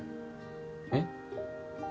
えっ？